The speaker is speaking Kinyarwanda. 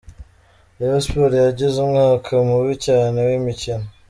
Rayon Sports yagize umwaka mubi cyane w’imikino.